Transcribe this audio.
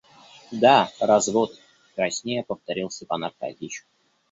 Да, развод, — краснея повторил Степан Аркадьич.